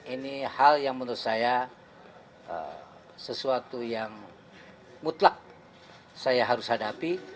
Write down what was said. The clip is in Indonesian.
ini hal yang menurut saya sesuatu yang mutlak saya harus hadapi